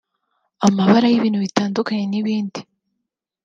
amabara y’ibintu bitandukanye n’ibindi